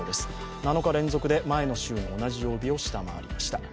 ７日連続で前の週の同じ曜日を下回りました。